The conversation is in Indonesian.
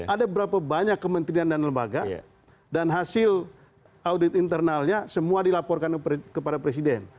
ada berapa banyak kementerian dan lembaga dan hasil audit internalnya semua dilaporkan kepada presiden